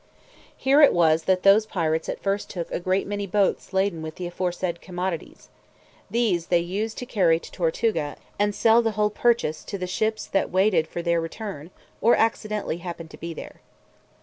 Here it was that those pirates at first took a great many boats laden with the aforesaid commodities; these they used to carry to Tortuga, and sell the whole purchase to the ships that waited for their return, or accidentally happened to be there.